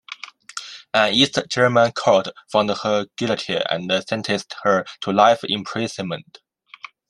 An East German court found her guilty and sentenced her to life imprisonment.